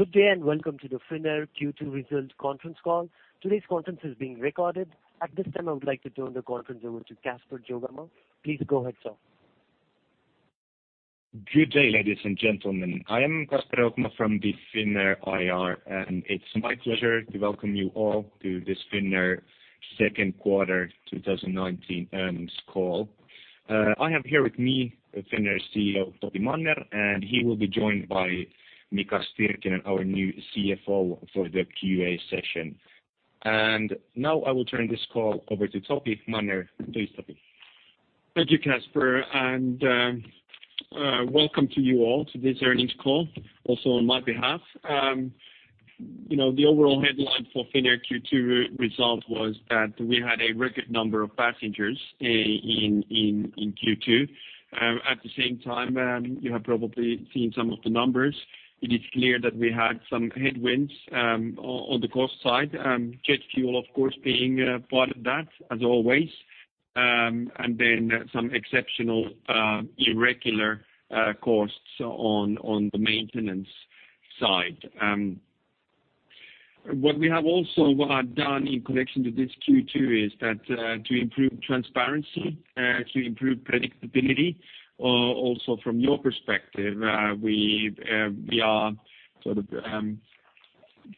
Good day, welcome to the Finnair Q2 result conference call. Today's conference is being recorded. At this time, I would like to turn the conference over to Kasper Jokimaa. Please go ahead, sir. Good day, ladies and gentlemen. I am Kasper Jokimaa from the Finnair IR. It's my pleasure to welcome you all to this Finnair second quarter 2019 earnings call. I have here with me Finnair CEO, Topi Manner. He will be joined by Mika Stirkkinen, our new CFO for the QA session. Now I will turn this call over to Topi Manner. Please, Topi. Thank you, Kasper, welcome to you all to this earnings call, also on my behalf. The overall headline for Finnair Q2 result was that we had a record number of passengers in Q2. At the same time, you have probably seen some of the numbers. It is clear that we had some headwinds on the cost side. Jet fuel, of course, being part of that as always. Then some exceptional irregular costs on the maintenance side. What we have also done in connection to this Q2 is that to improve transparency, to improve predictability also from your perspective, we are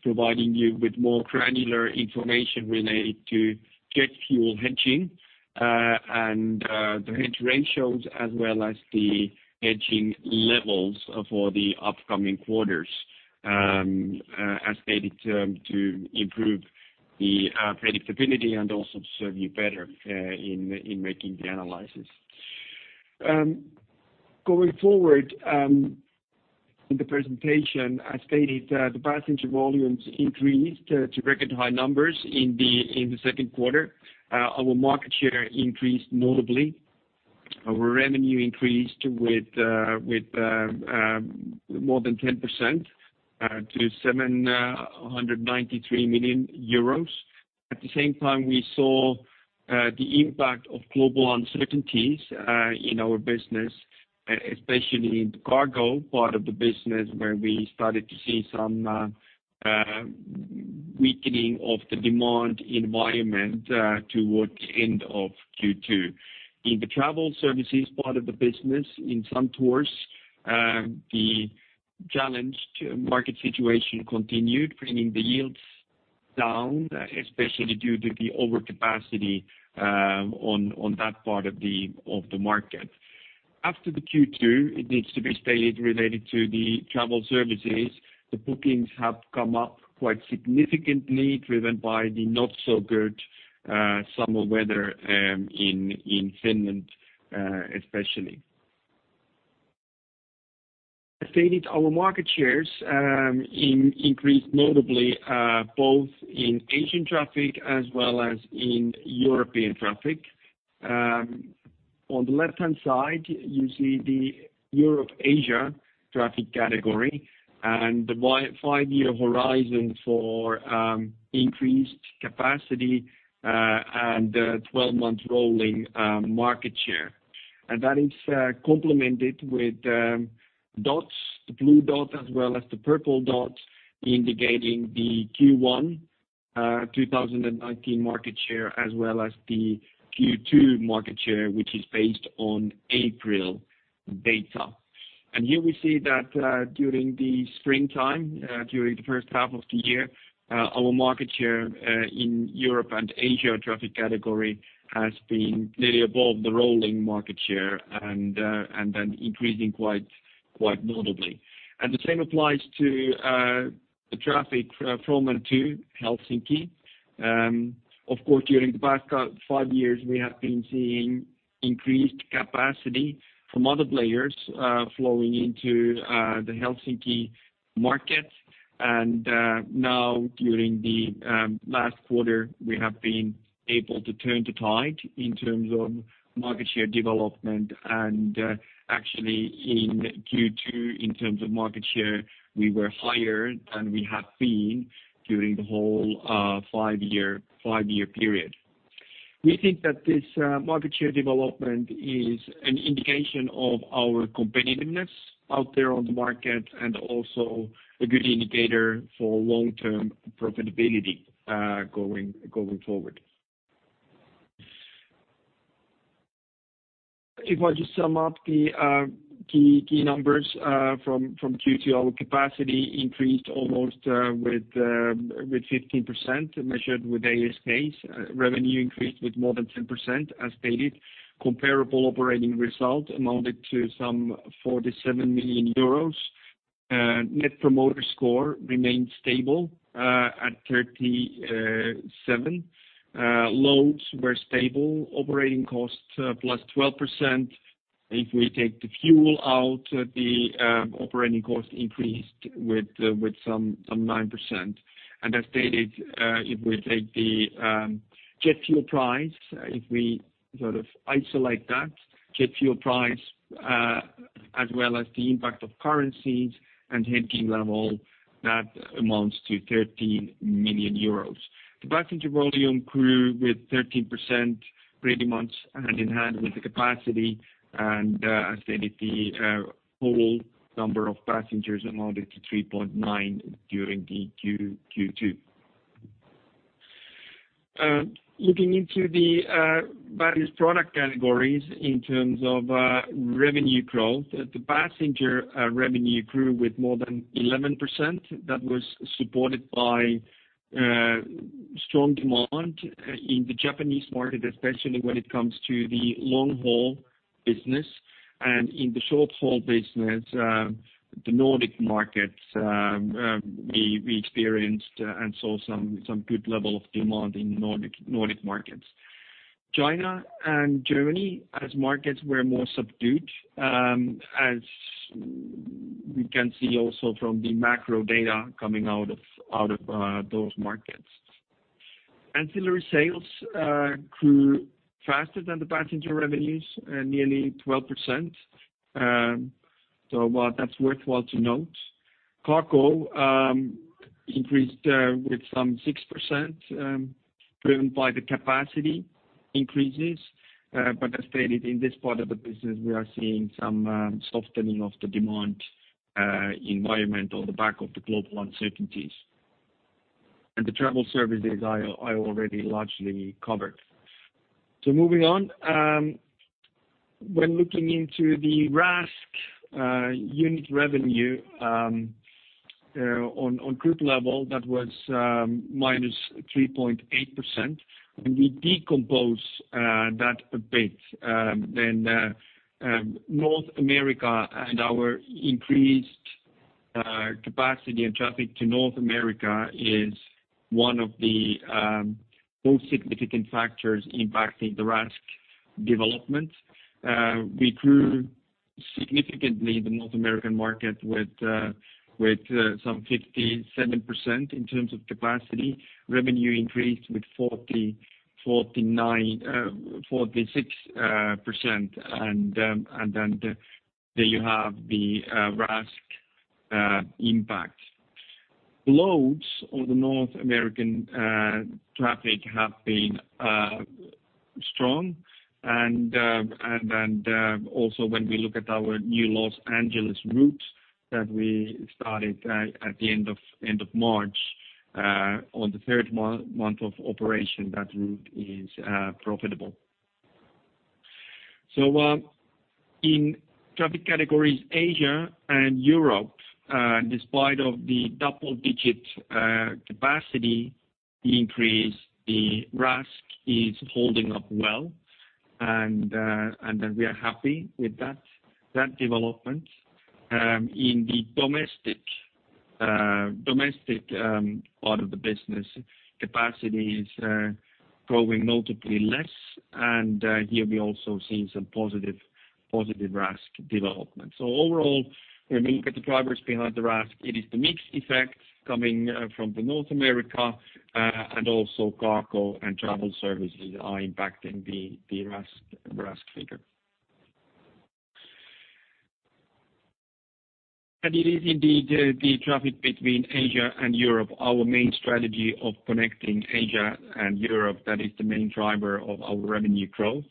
providing you with more granular information related to jet fuel hedging and the hedge ratios as well as the hedging levels for the upcoming quarters as stated to improve the predictability and also to serve you better in making the analysis. Going forward in the presentation, as stated, the passenger volumes increased to record high numbers in the second quarter. Our market share increased notably. Our revenue increased with more than 10% to 793 million euros. At the same time, we saw the impact of global uncertainties in our business, especially in the cargo part of the business where we started to see some weakening of the demand environment toward the end of Q2. In the travel services part of the business, in some tours, the challenged market situation continued, bringing the yields down, especially due to the overcapacity on that part of the market. After the Q2, it needs to be stated related to the travel services, the bookings have come up quite significantly, driven by the not so good summer weather in Finland especially. As stated, our market shares increased notably both in Asian traffic as well as in European traffic. On the left-hand side, you see the Europe-Asia traffic category and the five-year horizon for increased capacity and the 12-month rolling market share. That is complemented with dots, the blue dot as well as the purple dot, indicating the Q1 2019 market share as well as the Q2 market share, which is based on April data. Here we see that during the springtime, during the first half of the year, our market share in Europe and Asia traffic category has been clearly above the rolling market share and then increasing quite notably. The same applies to the traffic from and to Helsinki. Of course, during the past five years, we have been seeing increased capacity from other players flowing into the Helsinki market. Now during the last quarter, we have been able to turn the tide in terms of market share development and actually in Q2 in terms of market share, we were higher than we have been during the whole five-year period. We think that this market share development is an indication of our competitiveness out there on the market and also a good indicator for long-term profitability going forward. If I just sum up the key numbers from Q2, our capacity increased almost with 15% measured with ASKs. Revenue increased with more than 10%, as stated. Comparable operating result amounted to some 47 million euros. Net Promoter Score remained stable at 37. Loads were stable. Operating costs plus 12%. If we take the fuel out, the operating cost increased with some 9%. As stated, if we take the jet fuel price, if we sort of isolate that jet fuel price as well as the impact of currencies and hedging level, that amounts to 13 million euros. The passenger volume grew with 13%, pretty much hand-in-hand with the capacity. As stated, the whole number of passengers amounted to 3.9 during the Q2. Looking into the various product categories in terms of revenue growth, the passenger revenue grew with more than 11%. That was supported by strong demand in the Japanese market, especially when it comes to the long-haul business. In the short-haul business, the Nordic markets, we experienced and saw some good level of demand in Nordic markets. China and Germany as markets were more subdued, as we can see also from the macro data coming out of those markets. Ancillary sales grew faster than the passenger revenues, nearly 12%. That's worthwhile to note. Cargo increased with some 6%, driven by the capacity increases. As stated, in this part of the business, we are seeing some softening of the demand environment on the back of the global uncertainties. The travel services I already largely covered. Moving on. When looking into the RASK unit revenue on group level, that was -3.8%. We decompose that a bit. North America and our increased capacity and traffic to North America is one of the most significant factors impacting the RASK development. We grew significantly the North American market with some 57% in terms of capacity. Revenue increased with 46%. There you have the RASK impact. Loads on the North American traffic have been strong, when we look at our new Los Angeles route that we started at the end of March, on the third month of operation, that route is profitable. In traffic categories Asia and Europe, despite of the double-digit capacity increase, the RASK is holding up well, and we are happy with that development. In the domestic part of the business, capacity is growing notably less, and here we also see some positive RASK development. Overall, when we look at the drivers behind the RASK, it is the mix effect coming from the North America, and also cargo and travel services are impacting the RASK figure. It is indeed the traffic between Asia and Europe, our main strategy of connecting Asia and Europe, that is the main driver of our revenue growth.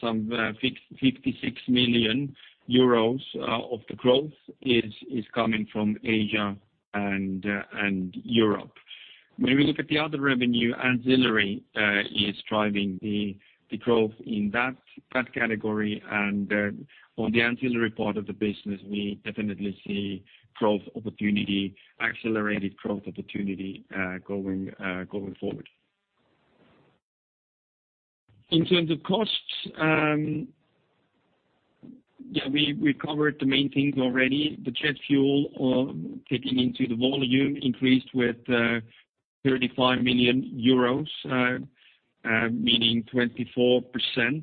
Some 56 million euros of the growth is coming from Asia and Europe. When we look at the other revenue, ancillary is driving the growth in that category, and on the ancillary part of the business, we definitely see accelerated growth opportunity going forward. In terms of costs, we covered the main things already. The jet fuel, taking into the volume, increased with 35 million euros, meaning 24%,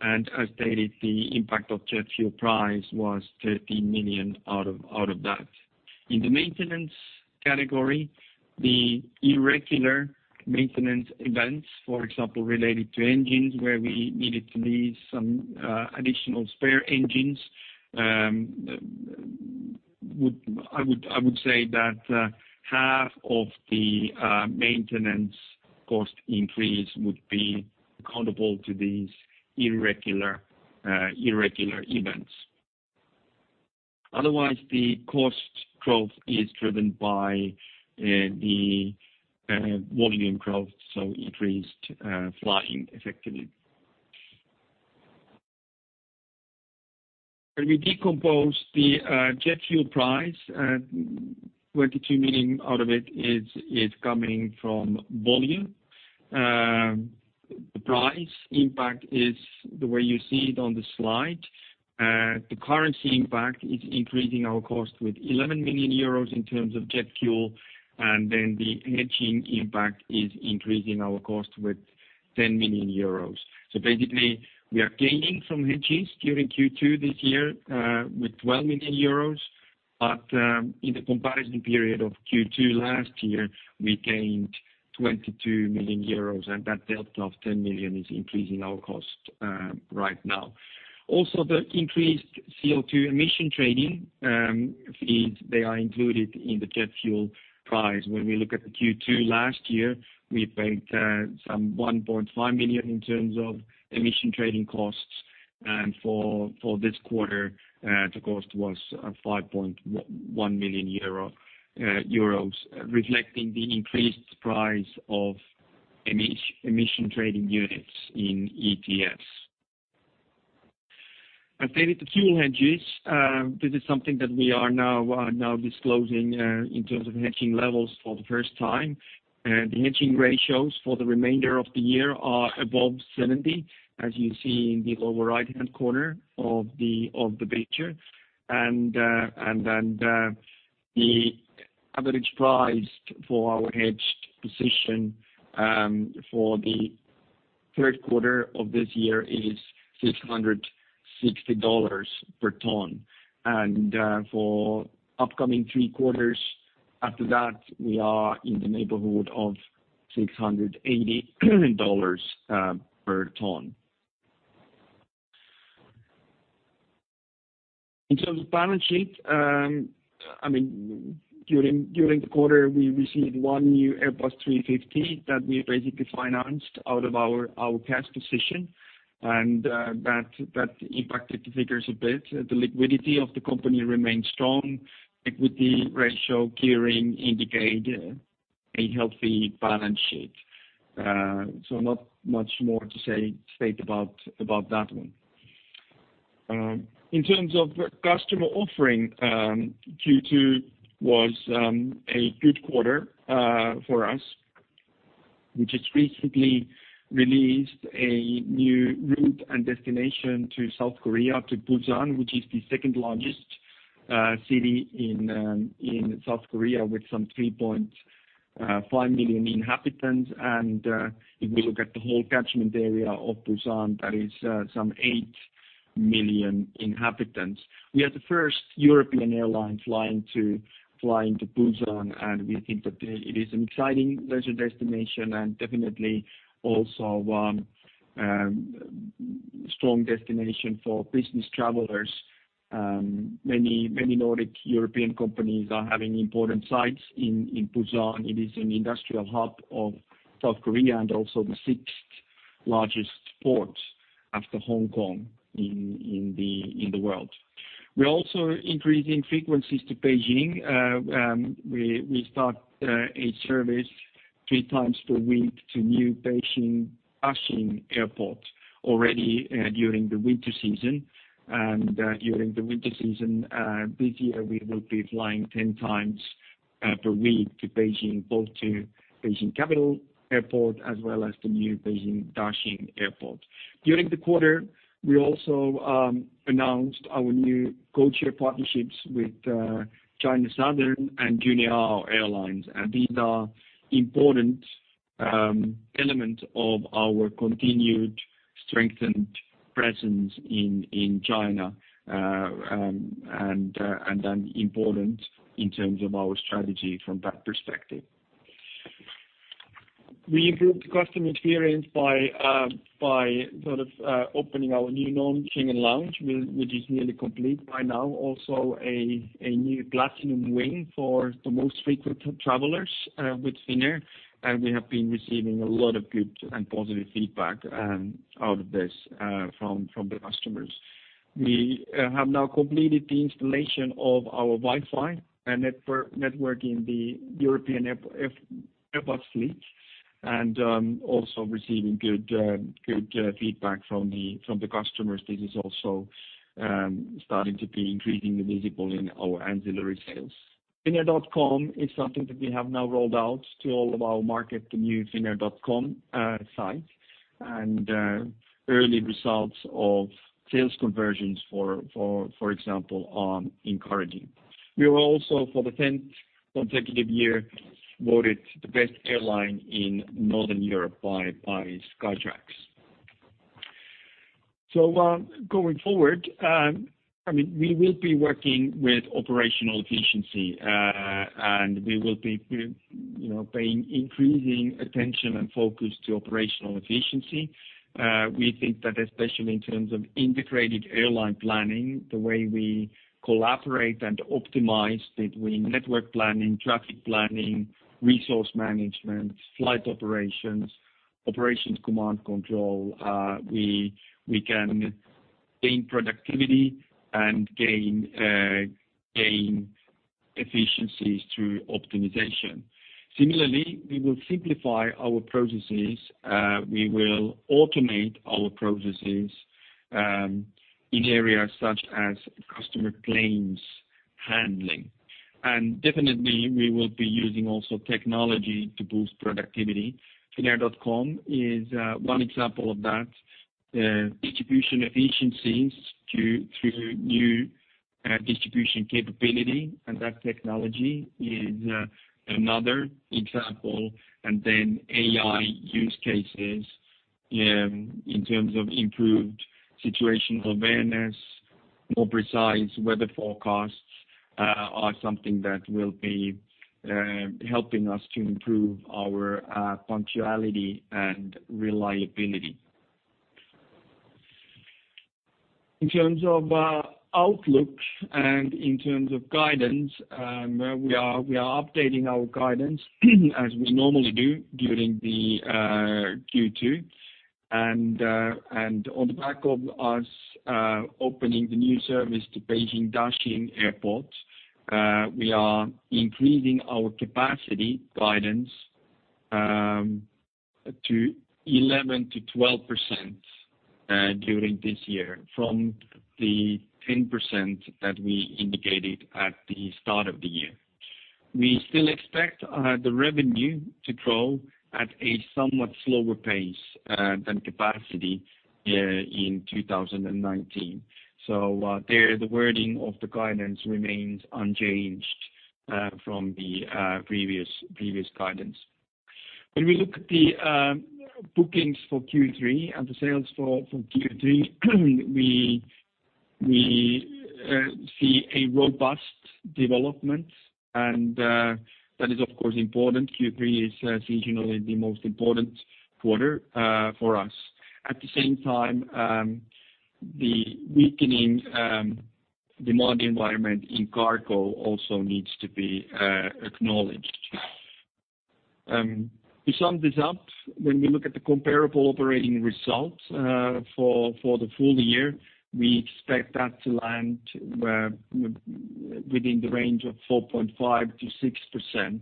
and as stated, the impact of jet fuel price was 13 million out of that. In the maintenance category, the irregular maintenance events, for example, related to engines where we needed to lease some additional spare engines, I would say that half of the maintenance cost increase would be accountable to these irregular events. Otherwise, the cost growth is driven by the volume growth, increased flying effectively. When we decompose the jet fuel price, 22 million out of it is coming from volume. The price impact is the way you see it on the slide. The currency impact is increasing our cost with 11 million euros in terms of jet fuel, the hedging impact is increasing our cost with 10 million euros. Basically, we are gaining from hedges during Q2 this year with 12 million euros, but in the comparison period of Q2 last year, we gained 22 million euros, and that delta of 10 million is increasing our cost right now. Also, the increased CO2 emission trading fees, they are included in the jet fuel price. When we look at the Q2 last year, we paid some 1.5 million in terms of emission trading costs. For this quarter, the cost was 5.1 million euro, reflecting the increased price of emission trading units in ETS. Related to fuel hedges, this is something that we are now disclosing in terms of hedging levels for the first time. The hedging ratios for the remainder of the year are above 70, as you see in the lower right-hand corner of the picture. The average price for our hedged position for the third quarter of this year is $660 per ton. For upcoming three quarters after that, we are in the neighborhood of $680 per ton. In terms of balance sheet, during the quarter, we received one new Airbus A350 that we basically financed out of our cash position. That impacted the figures a bit. The liquidity of the company remains strong. Equity ratio gearing indicate a healthy balance sheet. Not much more to state about that one. In terms of customer offering, Q2 was a good quarter for us. We just recently released a new route and destination to South Korea to Busan, which is the second-largest city in South Korea with some 3.5 million inhabitants. If we look at the whole catchment area of Busan, that is some 8 million inhabitants. We are the first European airline flying to Busan, and we think that it is an exciting leisure destination and definitely also a strong destination for business travelers. Many Nordic European companies are having important sites in Busan. It is an industrial hub of South Korea and also the sixth-largest port after Hong Kong in the world. We are also increasing frequencies to Beijing. We start a service three times per week to new Beijing Daxing Airport already during the winter season. During the winter season this year, we will be flying 10 times per week to Beijing, both to Beijing Capital Airport as well as the new Beijing Daxing Airport. During the quarter, we also announced our new codeshare partnerships with China Southern and Juneyao Airlines, and these are important element of our continued strengthened presence in China and important in terms of our strategy from that perspective. We improved customer experience by opening our new non-Schengen lounge, which is nearly complete by now. Also a new Platinum Wing for the most frequent travelers with Finnair. We have been receiving a lot of good and positive feedback out of this from the customers. We have now completed the installation of our Wi-Fi and network in the European Airbus fleet and also receiving good feedback from the customers. This is also starting to be increasingly visible in our ancillary sales. finnair.com is something that we have now rolled out to all of our market, the new finnair.com site. Early results of sales conversions, for example, are encouraging. We were also, for the 10th consecutive year, voted the best airline in Northern Europe by Skytrax. Going forward, we will be working with operational efficiency, and we will be paying increasing attention and focus to operational efficiency. We think that especially in terms of integrated airline planning, the way we collaborate and optimize between network planning, traffic planning, resource management, flight operations command control we can gain productivity and gain efficiencies through optimization. Similarly, we will simplify our processes. We will automate our processes in areas such as customer claims handling. Definitely, we will be using also technology to boost productivity. finnair.com is one example of that. Distribution efficiencies through New Distribution Capability and that technology is another example. Then AI use cases in terms of improved situational awareness, more precise weather forecasts are something that will be helping us to improve our punctuality and reliability. In terms of outlook and in terms of guidance, we are updating our guidance as we normally do during the Q2. On the back of us opening the new service to Beijing Daxing Airport, we are increasing our capacity guidance to 11%-12% during this year from the 10% that we indicated at the start of the year. We still expect the revenue to grow at a somewhat slower pace than capacity in 2019. There the wording of the guidance remains unchanged from the previous guidance. When we look at the bookings for Q3 and the sales for Q3, we see a robust development and that is of course important. Q3 is seasonally the most important quarter for us. At the same time, the weakening demand environment in cargo also needs to be acknowledged. To sum this up, when we look at the comparable operating results for the full year, we expect that to land within the range of 4.5%-6%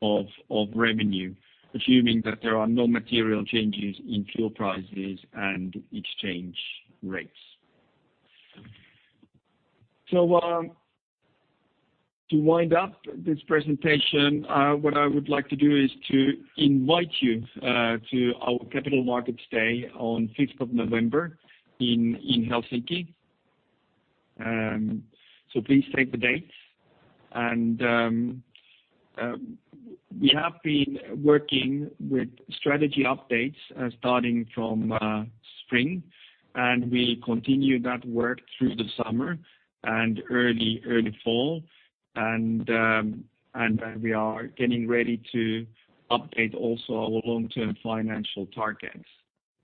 of revenue, assuming that there are no material changes in fuel prices and exchange rates. To wind up this presentation, what I would like to do is to invite you to our Capital Markets Day on 5th of November in Helsinki. Please save the date. We have been working with strategy updates starting from spring, and we continue that work through the summer and early fall. We are getting ready to update also our long-term financial targets.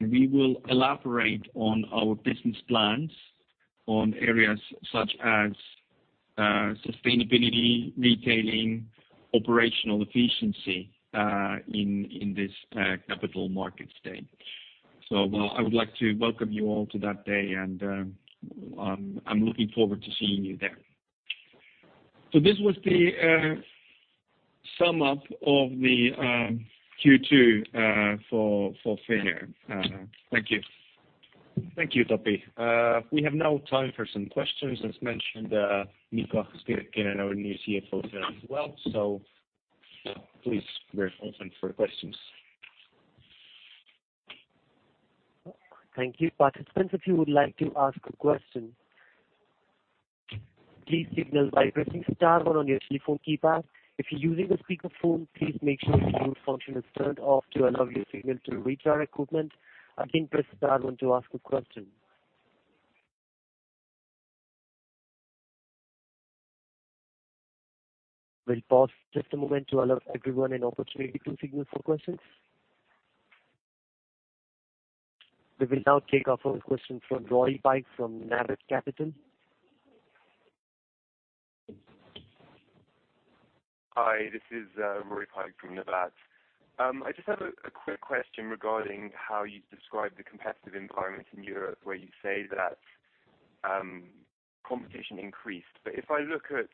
We will elaborate on our business plans on areas such as sustainability, retailing, operational efficiency, in this Capital Markets Day. I would like to welcome you all to that day, and I'm looking forward to seeing you there. This was the sum up of the Q2 for Finnair. Thank you. Thank you, Topi. We have now time for some questions. As mentioned Mika is here again, our new CFO as well. Please we're open for questions. Thank you. Participants, if you would like to ask a question, please signal by pressing star one on your telephone keypad. If you're using a speakerphone, please make sure the mute function is turned off to allow your signal to reach our equipment. Again, press star one to ask a question. We'll pause just a moment to allow everyone an opportunity to signal for questions. We will now take our first question from Roy Pike from Nevatt Capital. Hi, this is Roy Pike from Nevatt. I just have a quick question regarding how you describe the competitive environment in Europe where you say that competition increased. If I look at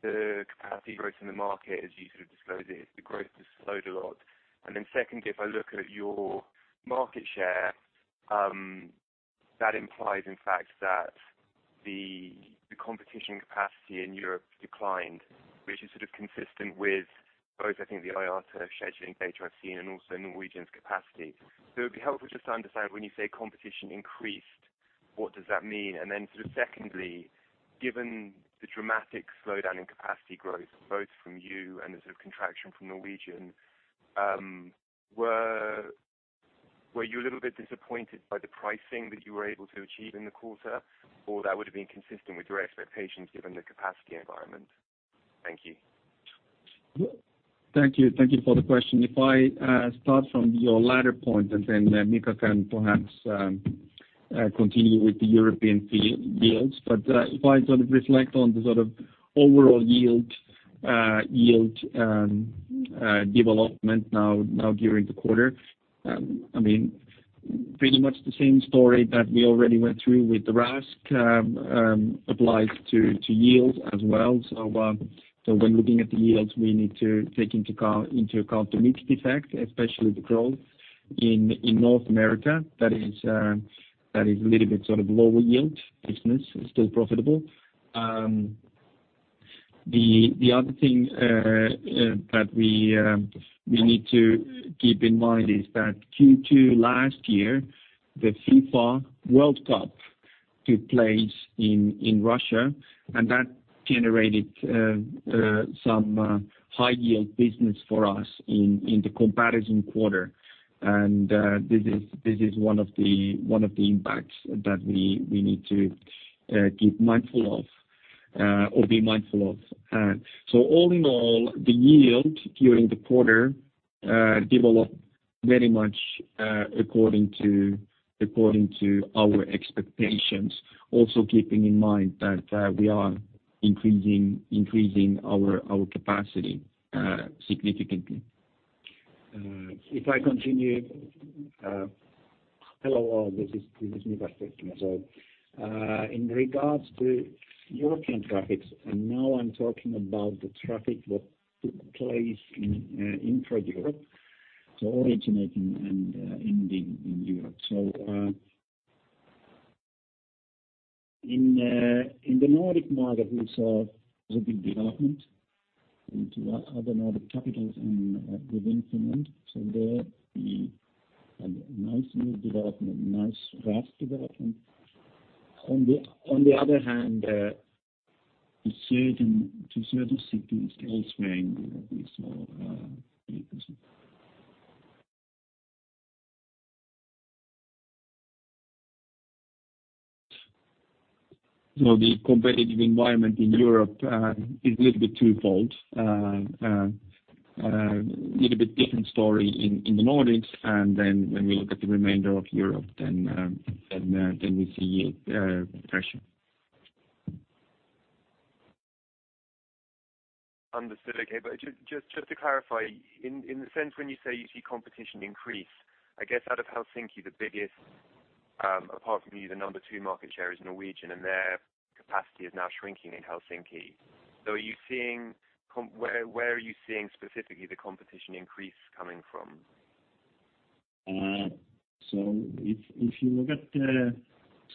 the capacity growth in the market as you sort of disclose it, the growth has slowed a lot. Secondly, if I look at your market share, that implies in fact that the competition capacity in Europe declined, which is sort of consistent with both I think the IATA scheduling data I've seen and also Norwegian's capacity. It would be helpful just to understand when you say competition increased, what does that mean? Secondly, given the dramatic slowdown in capacity growth both from you and the sort of contraction from Norwegian, were you a little bit disappointed by the pricing that you were able to achieve in the quarter or that would have been consistent with your expectations given the capacity environment? Thank you. Thank you. Thank you for the question. If I start from your latter point and then Mika can perhaps continue with the European yields. If I sort of reflect on the sort of overall yield development now during the quarter, pretty much the same story that we already went through with the RASK applies to yields as well. When looking at the yields, we need to take into account the mix effect, especially the growth in North America that is a little bit sort of lower yield business, still profitable. The other thing that we need to keep in mind is that Q2 last year, the FIFA World Cup took place in Russia and that generated some high-yield business for us in the comparison quarter. This is one of the impacts that we need to keep mindful of. Or be mindful of. All in all, the yield during the quarter developed very much according to our expectations. Also keeping in mind that we are increasing our capacity significantly. If I continue. Hello all, this is me. In regards to European traffic, now I'm talking about the traffic that took place intra-Europe, so originating and ending in Europe. In the Nordic market, we saw a big development into other Nordic capitals and within Finland. There, we had a nice new development, nice RASK development. On the other hand, to certain cities elsewhere in Europe, we saw a decrease. The competitive environment in Europe is a little bit twofold. Little bit different story in the Nordics, when we look at the remainder of Europe, we see pressure. Understood. Okay. Just to clarify, in the sense when you say you see competition increase, I guess out of Helsinki, the biggest, apart from you, the number two market share is Norwegian, their capacity is now shrinking in Helsinki. Where are you seeing specifically the competition increase coming from? If you look at the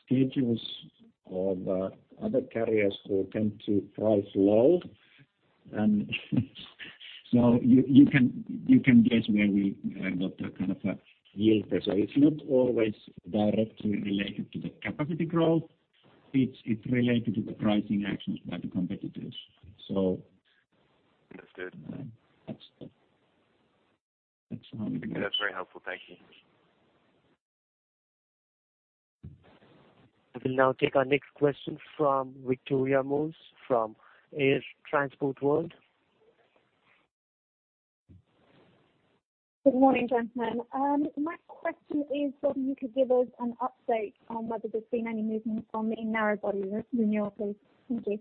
schedules of other carriers who tend to price low, you can guess where we got kind of a yield there. It's not always directly related to the capacity growth. It's related to the pricing actions by the competitors. Understood That's how it is. That's very helpful. Thank you. We will now take our next question from Victoria Moores from Air Transport World. Good morning, gentlemen. My question is whether you could give us an update on whether there's been any movement on the narrow-body renewal, please? Thank you.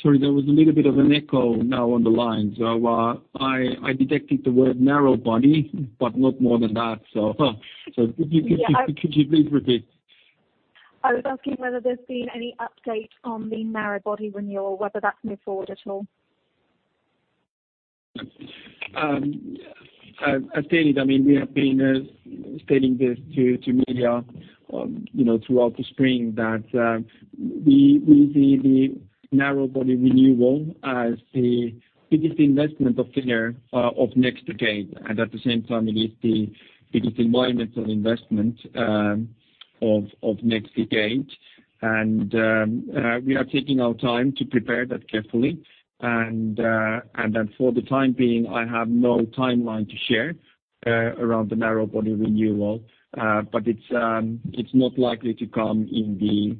Sorry, there was a little bit of an echo now on the line. I detected the word narrow-body, but not more than that. Could you please repeat? I was asking whether there's been any update on the narrow-body renewal, whether that's moved forward at all. I've stated, we have been stating this to media throughout the spring that we see the narrow-body renewal as the biggest investment of Finnair of next decade, and at the same time, it is the biggest environmental investment of next decade. We are taking our time to prepare that carefully. For the time being, I have no timeline to share around the narrow-body renewal. It's not likely to come in the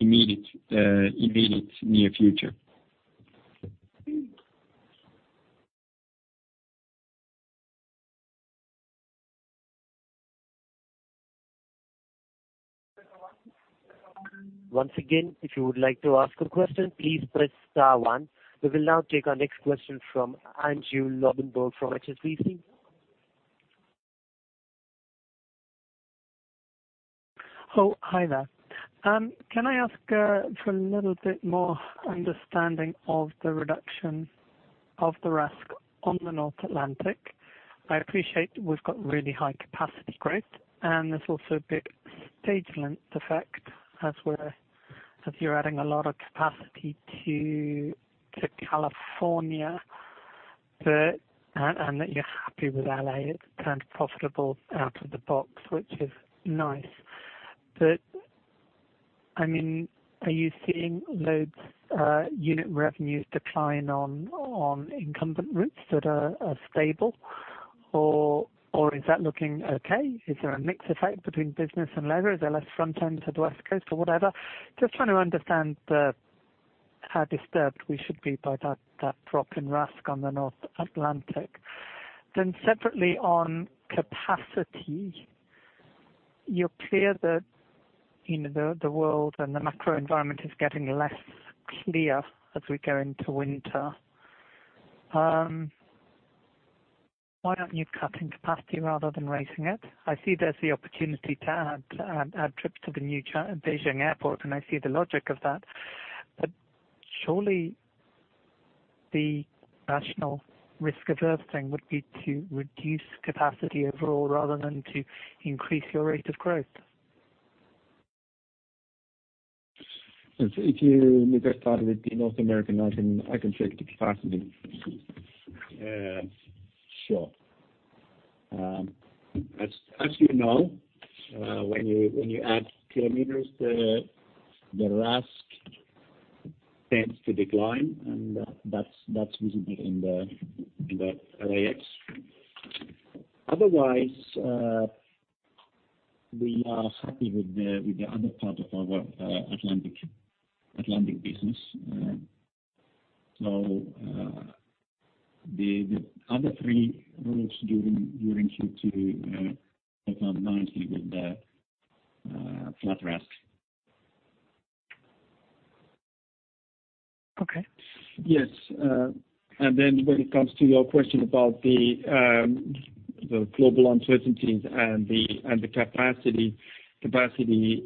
immediate near future. Once again, if you would like to ask a question, please press star one. We will now take our next question from Andrew Lobbenberg from HSBC. Oh, hi there. Can I ask for a little bit more understanding of the reduction of the RASK on the North Atlantic? I appreciate we’ve got really high capacity growth, and there’s also a big stage length effect as you’re adding a lot of capacity to California, and that you’re happy with L.A. It’s turned profitable out of the box, which is nice. Are you seeing loads unit revenues decline on incumbent routes that are stable, or is that looking okay? Is there a mix effect between business and leisure? Is there less front end to the West Coast or whatever? Just trying to understand how disturbed we should be by that drop in RASK on the North Atlantic. Separately on capacity. You’re clear that the world and the macro environment is getting less clear as we go into winter. Why aren’t you cutting capacity rather than raising it? I see there’s the opportunity to add trips to the new Beijing Airport, and I see the logic of that. Surely the rational, risk-averse thing would be to reduce capacity overall rather than to increase your rate of growth. If you maybe start with the North American, I can take the capacity. Sure. As you know, when you add kilometers, the RASK tends to decline, and that’s visible in the RASK. Otherwise, we are happy with the other part of our Atlantic business. The other three routes during Q2 have done nicely with the flat RASK. Okay. Yes. When it comes to your question about the global uncertainties and the capacity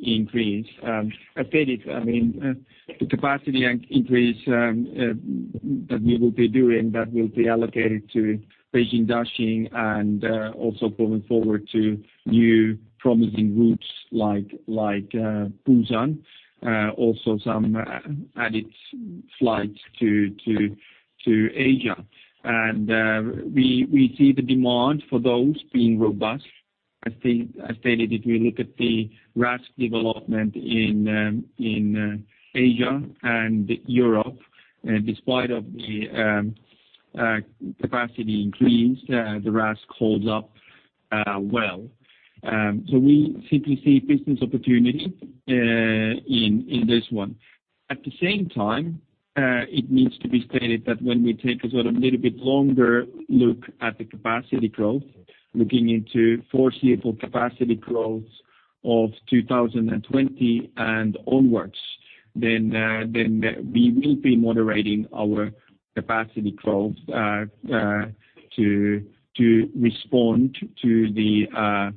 increase. I stated the capacity increase that we will be doing, that will be allocated to Beijing-Daxing and also going forward to new promising routes like Busan, also some added flights to Asia. We see the demand for those being robust. I stated if we look at the RASK development in Asia and Europe, despite of the capacity increase, the RASK holds up well. We simply see business opportunity in this one. At the same time, it needs to be stated that when we take a sort of little bit longer look at the capacity growth, looking into foreseeable capacity growth of 2020 and onwards, we will be moderating our capacity growth to respond to the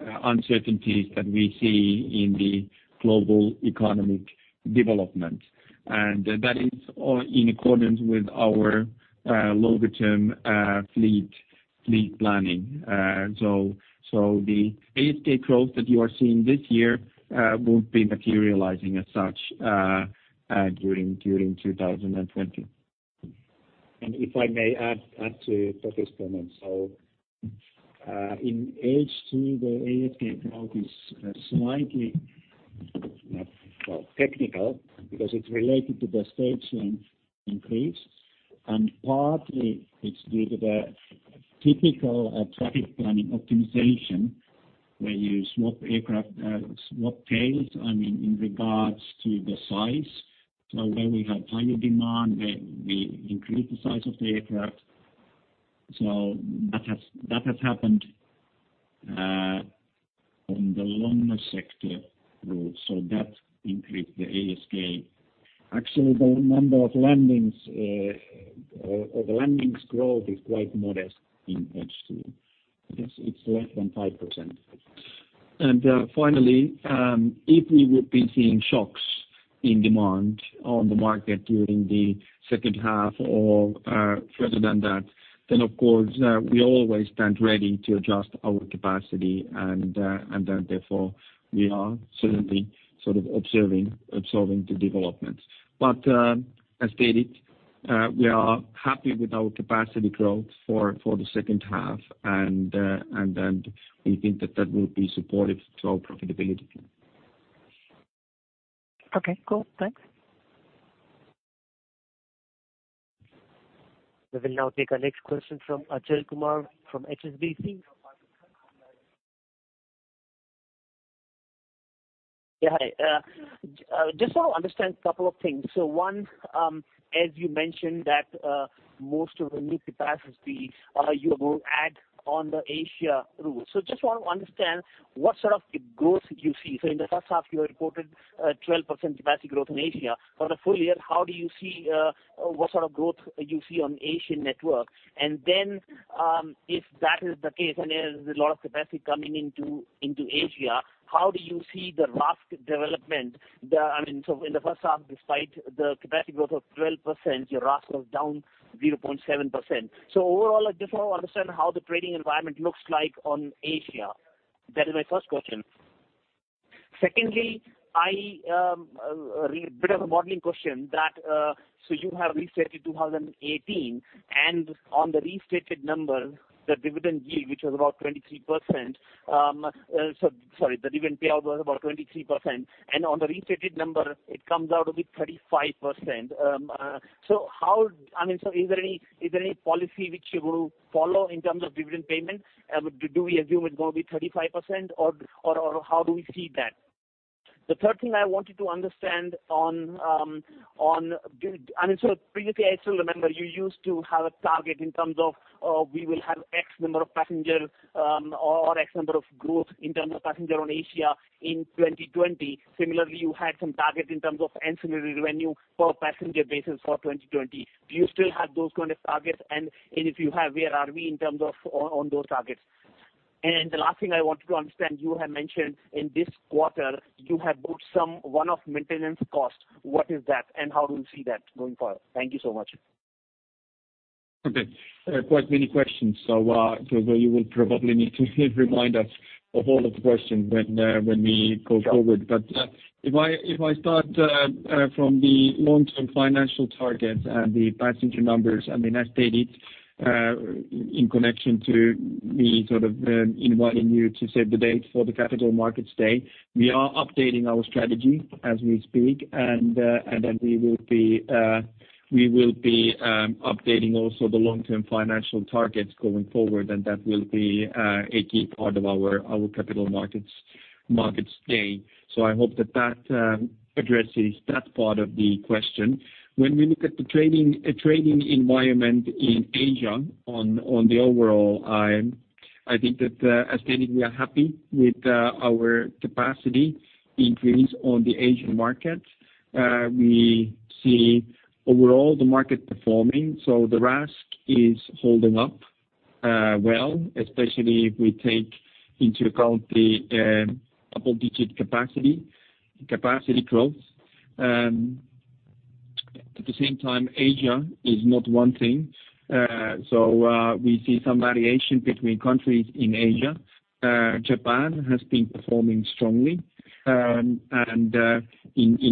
uncertainties that we see in the global economic development. That is all in accordance with our longer-term fleet planning. The ASK growth that you are seeing this year won't be materializing as such during 2020. If I may add to Toke's comment. In H2, the ASK growth is slightly technical because it's related to the stage length increase. Partly it's due to the typical traffic planning optimization, where you swap aircraft, swap tails, I mean, in regards to the size. Where we have higher demand, we increase the size of the aircraft. That has happened on the longer sector routes, that increased the ASK. Actually, the number of landings or the landings growth is quite modest in H2. I guess it's less than 5%. Finally, if we would be seeing shocks in demand on the market during the second half or further than that, of course, we always stand ready to adjust our capacity. Therefore, we are certainly observing the developments. As stated, we are happy with our capacity growth for the second half, we think that that will be supportive to our profitability. Okay, cool. Thanks. We will now take our next question from Achal Kumar from HSBC. Yeah. Hi. Just want to understand a couple of things. One, as you mentioned that most of the new capacity you will add on the Asia route. Just want to understand what sort of growth you see. In the first half, you reported a 12% capacity growth in Asia. For the full year, how do you see what sort of growth you see on Asian network? If that is the case and there's a lot of capacity coming into Asia, how do you see the RASK development? In the first half, despite the capacity growth of 12%, your RASK was down 0.7%. Overall, I just want to understand how the trading environment looks like on Asia. That is my first question. Secondly, a bit of a modeling question that you have restated 2018, and on the restated number, the dividend yield, which was about 23%. Sorry. The dividend payout was about 23%, and on the restated number, it comes out to be 35%. Is there any policy which you will follow in terms of dividend payment? Do we assume it's going to be 35%, or how do we see that? The third thing I wanted to understand on. Previously, I still remember you used to have a target in terms of we will have X number of passenger or X number of growth in terms of passenger on Asia in 2020. Similarly, you had some target in terms of ancillary revenue per passenger basis for 2020. Do you still have those kind of targets? If you have, where are we in terms of on those targets? The last thing I wanted to understand, you had mentioned in this quarter, you had booked some one-off maintenance cost. What is that, and how do you see that going forward? Thank you so much. Okay. Quite many questions. Achal, you will probably need to remind us of all of the questions when we go forward. If I start from the long-term financial targets and the passenger numbers, I mean, I stated in connection to me sort of inviting you to save the date for the Capital Markets Roadshow. We are updating our strategy as we speak, and we will be updating also the long-term financial targets going forward, and that will be a key part of our Capital Markets Day. I hope that addresses that part of the question. When we look at the trading environment in Asia on the overall, I think that as stated, we are happy with our capacity increase on the Asian market. We see overall the market performing, the RASK is holding up well, especially if we take into account the double-digit capacity growth. At the same time, Asia is not one thing. We see some variation between countries in Asia. Japan has been performing strongly, in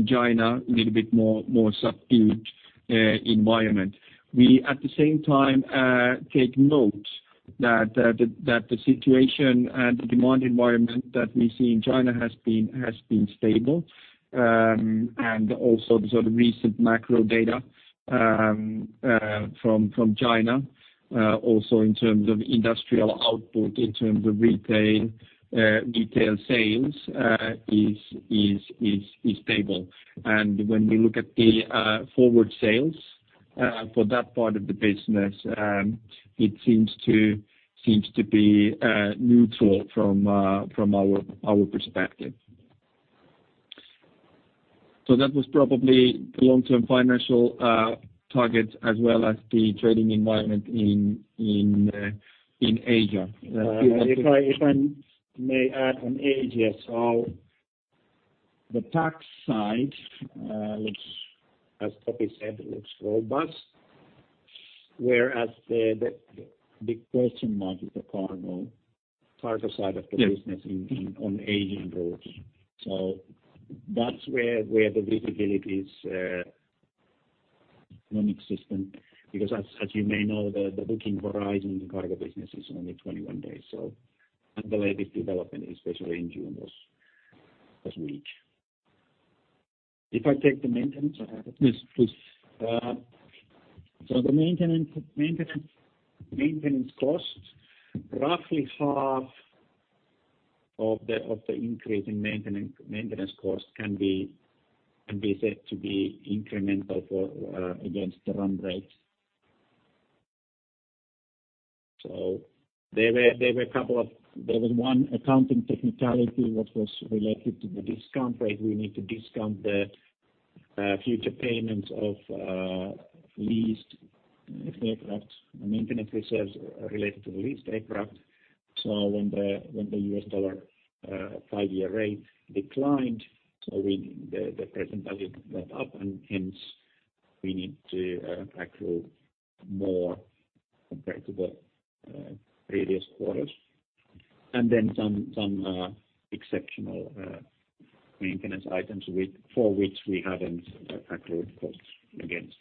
China, a little bit more subdued environment. We, at the same time, take note that the situation and the demand environment that we see in China has been stable. Also the recent macro data from China, also in terms of industrial output, in terms of retail sales is stable. When we look at the forward sales for that part of the business, it seems to be neutral from our perspective. That was probably the long-term financial targets as well as the trading environment in Asia. If I may add on Asia, the tax side looks, as Topi said, it looks robust. Whereas the big question mark is the cargo side of the business- Yes On Asian routes. That's where the visibility is non-existent because as you may know, the booking horizon in the cargo business is only 21 days. The latest development, especially in June, was weak. If I take the maintenance, I have it? Yes, please. The maintenance costs, roughly half of the increase in maintenance costs can be said to be incremental for against the run rate. There was one accounting technicality that was related to the discount rate. We need to discount the future payments of leased aircraft, the maintenance reserves related to the leased aircraft. When the U.S. dollar five-year rate declined, the present value went up and hence we need to accrue more compared to the previous quarters. Then some exceptional maintenance items for which we haven't accrued costs against.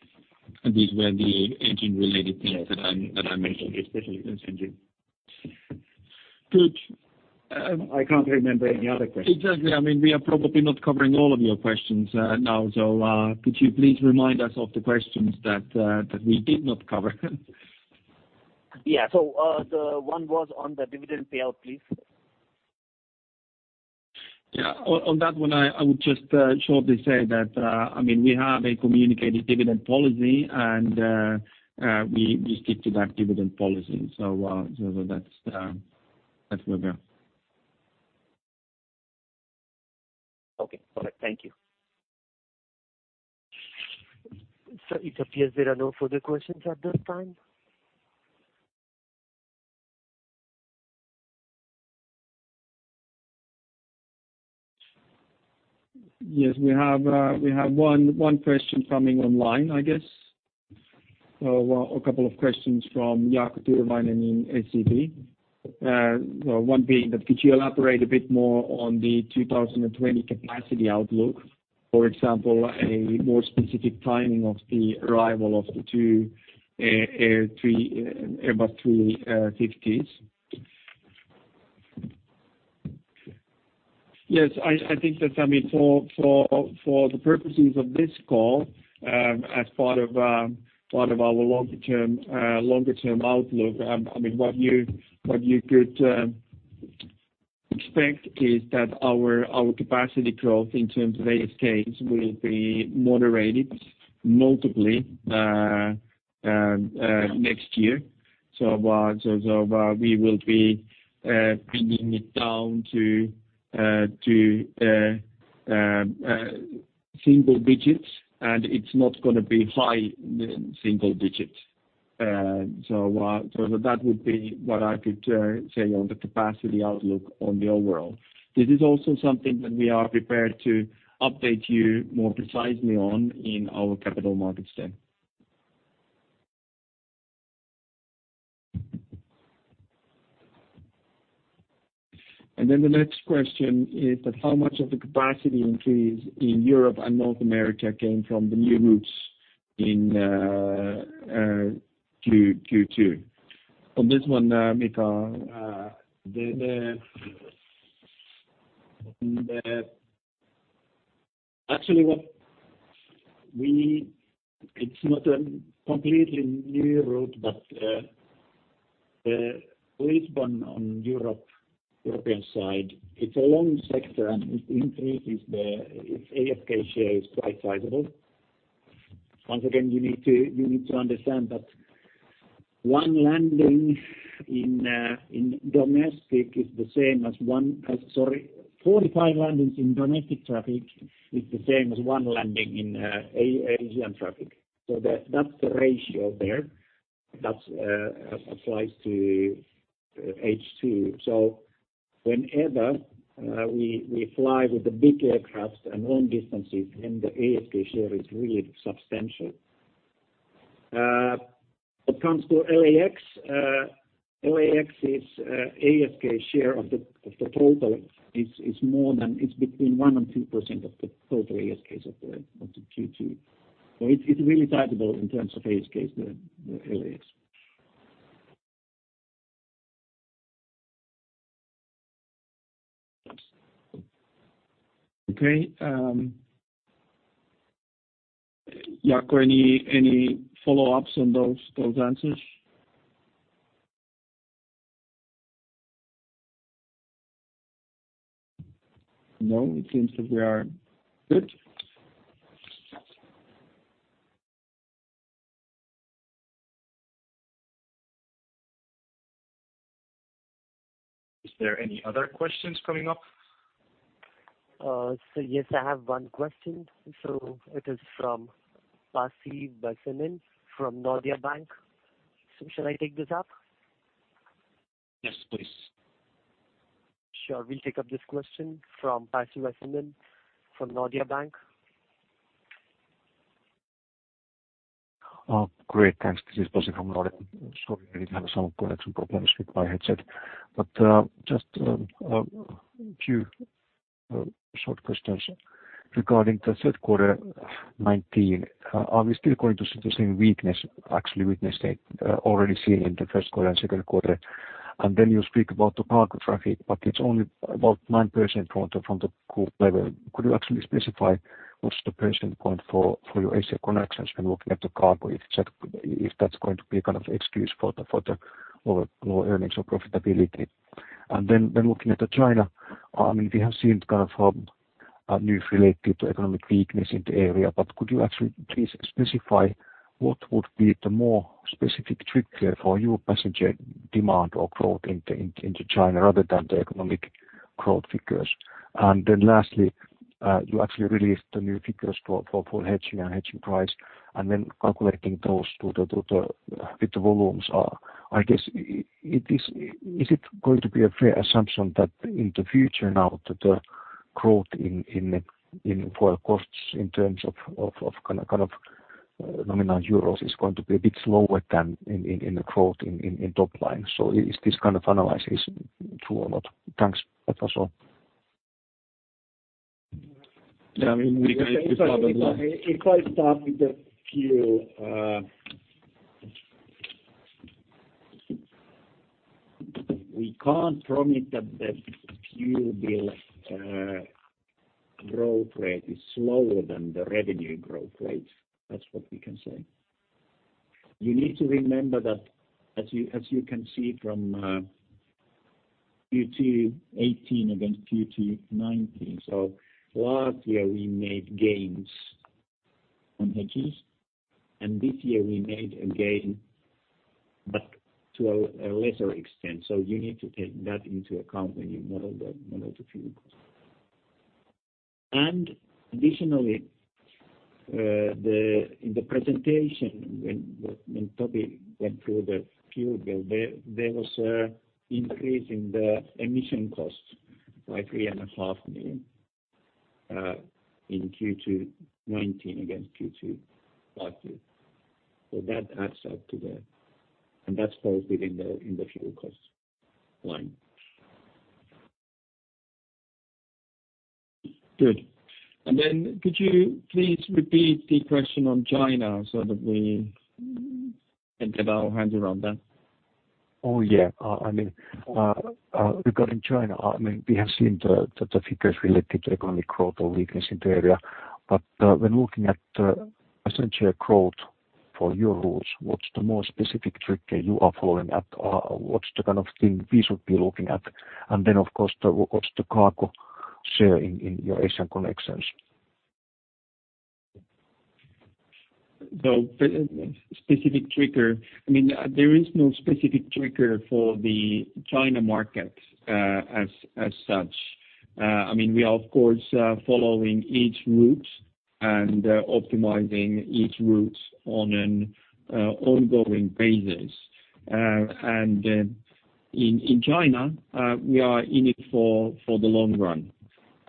These were the engine-related things that I mentioned. Yes, especially those engine. Good. I can't remember any other questions. Exactly. We are probably not covering all of your questions now. Could you please remind us of the questions that we did not cover? Yeah. The one was on the dividend payout, please. Yeah. On that one, I would just shortly say that we have a communicated dividend policy, and we stick to that dividend policy. That's where we are. Okay, got it. Thank you. It appears there are no further questions at this time. Yes, we have one question coming online, I guess. A couple of questions from Jaakko Tyrväinen in SEB. One being that could you elaborate a bit more on the 2020 capacity outlook? For example, a more specific timing of the arrival of the two Airbus A350s. Yes, I think that for the purposes of this call as part of our longer-term outlook, what you could expect is that our capacity growth in terms of ASKs will be moderated notably next year. We will be bringing it down to single digits, and it's not going to be high single digits. That would be what I could say on the capacity outlook on the overall. This is also something that we are prepared to update you more precisely on in our Capital Markets Day. The next question is that how much of the capacity increase in Europe and North America came from the new routes in Q2? On this one, Mika, Actually, it's not a completely new route, but Lisbon on European side, it's a long sector and its increase. Its ASK share is quite sizable. Once again, you need to understand that 45 landings in domestic traffic is the same as one landing in Asian traffic. That's the ratio there that applies to H2. Whenever we fly with the big aircraft and long distances, then the ASK share is really substantial. When it comes to LAX, ASK share of the total is between 1% and 2% of the total ASKs of the Q2. It's really sizable in terms of ASKs there, the LAX. Okay. Jaakko, any follow-ups on those answers? No, it seems that we are good. Is there any other questions coming up? Yes, I have one question. It is from Pasi Väisänen from Nordea Bank. Shall I take this up? Yes, please. Sure. We'll take up this question from Pasi Väisänen from Nordea Bank. Great. Thanks. This is Pasi from Nordea. Sorry, I did have some connection problems with my headset. Just a few short questions regarding the third quarter 2019. Are we still going to see the same weakness actually witnessed already seen in the first quarter and second quarter? Then you speak about the cargo traffic, but it's only about 9% from the group level. Could you actually specify what's the percentage point for your Asia connections when looking at the cargo? If that's going to be a kind of excuse for the lower earnings or profitability. Then when looking at China, we have seen kind of news related to economic weakness in the area, but could you actually please specify what would be the more specific trigger for your passenger demand or growth into China rather than the economic growth figures? Lastly, you actually released the new figures for hedging and hedging price, and then calculating those with the volumes are. I guess is it going to be a fair assumption that in the future now that the growth in oil costs in terms of kind of nominal euros is going to be a bit slower than in the growth in top line? Is this kind of analysis true or not? Thanks. That was all. Yeah, I mean, we can. If I start with the fuel. We can't promise that the fuel bill growth rate is slower than the revenue growth rate. That's what we can say. You need to remember that as you can see from Q2 2018 against Q2 2019. Last year, we made gains on hedges, and this year we made a gain, but to a lesser extent. You need to take that into account when you model the fuel. Additionally, in the presentation, when Topi went through the fuel bill, there was an increase in the emission costs by three and a half million in Q2 2019 against Q2 last year. That adds up to that falls within the fuel cost line. Good. Could you please repeat the question on China so that we can get our hands around that? Oh, yeah. Regarding China, we have seen the figures related to economic growth or weakness in the area. When looking at passenger growth for your routes, what's the more specific trigger you are following up? What's the kind of thing we should be looking at? Of course, what's the cargo share in your Asian connections? The specific trigger. There is no specific trigger for the China market as such. We are, of course, following each route and optimizing each route on an ongoing basis. In China, we are in it for the long run.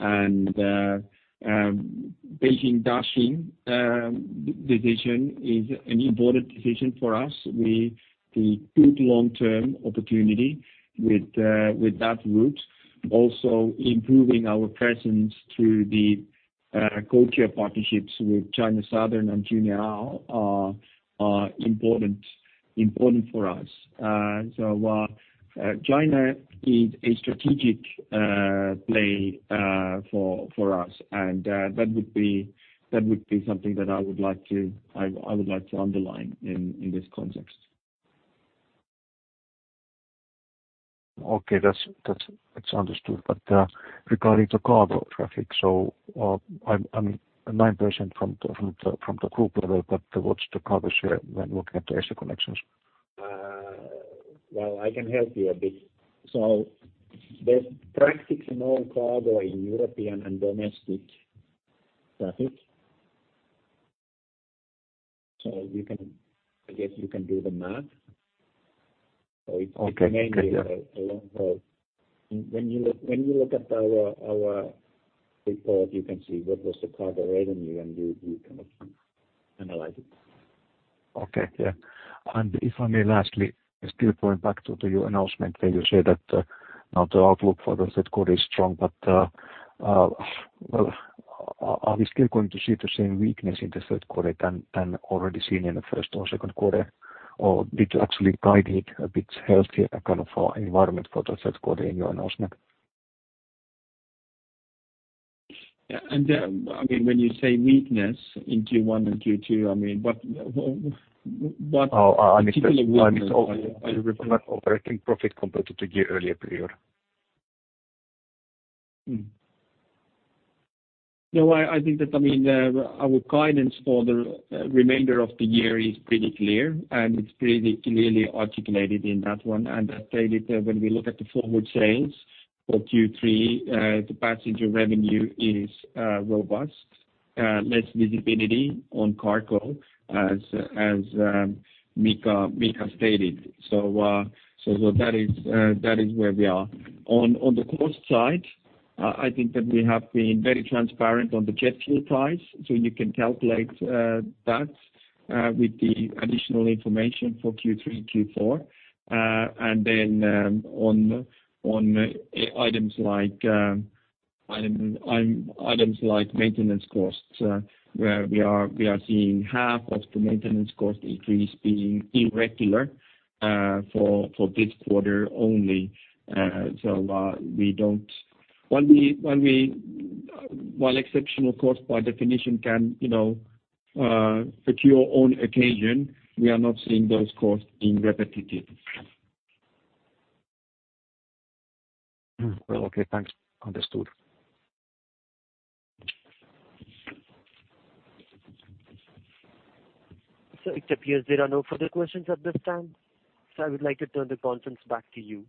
Beijing-Daxing decision is an important decision for us. We see good long-term opportunity with that route. Also improving our presence through the codeshare partnerships with China Southern and Juneyao are important for us. While China is a strategic play for us, that would be something that I would like to underline in this context. Okay. That's understood. Regarding the cargo traffic, I'm 9% from the group level, what's the cargo share when looking at the Asia connections? Well, I can help you a bit. There's practically no cargo in European and domestic traffic. I guess you can do the math. Okay. It's mainly a long haul. When you look at our report, you can see what was the cargo revenue, you kind of analyze it. Okay, yeah. If I may, lastly, still going back to your announcement where you say that now the outlook for the third quarter is strong, but are we still going to see the same weakness in the third quarter than already seen in the first or second quarter? Did you actually guide it a bit healthier kind of environment for the third quarter in your announcement? Yeah, when you say weakness in Q1 and Q2, what particular weakness are you referring to? I mean operating profit compared to the year earlier period. No, I think that our guidance for the remainder of the year is pretty clear, and it's pretty clearly articulated in that one. As stated, when we look at the forward sales for Q3, the passenger revenue is robust. Less visibility on cargo, as Mika stated. That is where we are. On the cost side, I think that we have been very transparent on the jet fuel price, so you can calculate that with the additional information for Q3 and Q4. Then on items like maintenance costs, where we are seeing half of the maintenance cost increase being irregular for this quarter only. While exceptional cost by definition can occur on occasion, we are not seeing those costs being repetitive. Well, okay. Thanks. Understood. It appears there are no further questions at this time. I would like to turn the conference back to you.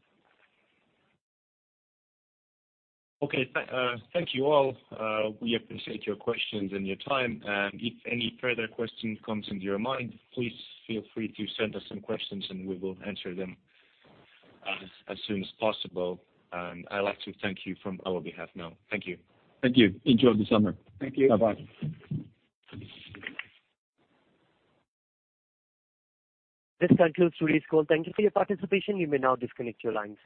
Okay. Thank you all. We appreciate your questions and your time. If any further question comes into your mind, please feel free to send us some questions and we will answer them as soon as possible. I'd like to thank you from our behalf now. Thank you. Thank you. Enjoy the summer. Thank you. Bye-bye. This concludes today's call. Thank you for your participation. You may now disconnect your lines.